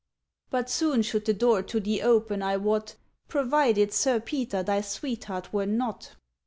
ŌĆ£But soon should the door to thee open I wot, Provided Sir Peter thy sweetheart were not.